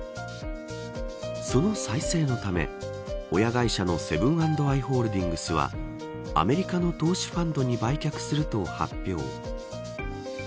その再生のため親会社のセブン＆アイ・ホールディングスはアメリカの投資ファンドに売却すると発表。